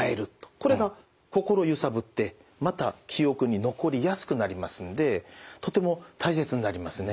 これが心をゆさぶってまた記憶に残りやすくなりますんでとても大切になりますね。